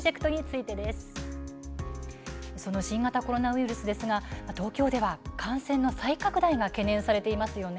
さて、新型コロナウイルスですが東京では感染再拡大が懸念されていますよね。